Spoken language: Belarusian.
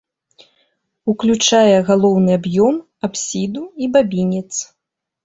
Уключае галоўны аб'ём, апсіду і бабінец.